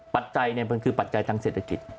ปัจจัยมันคือปัจจัยทางเศรษฐกิจ